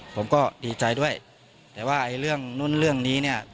ผมก็ดีใจด้วยแต่ว่าไอ้เรื่องนู้นเรื่องนี้เนี่ย